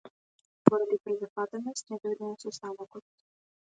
Поради презафатеност не дојде на состанокот.